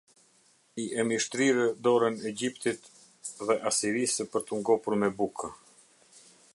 I emi shtrirë dorën Egjiptit dhe Asirisë për t’u ngopur me bukë.